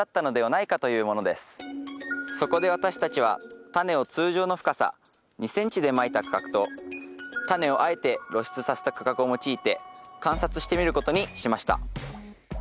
そこで私たちはタネを通常の深さ２ｃｍでまいた区画とタネをあえて露出させた区画を用いて観察してみることにしました。